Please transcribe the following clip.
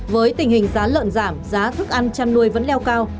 với tình hình giá lợn giảm giá thức ăn chăn nuôi vẫn leo cao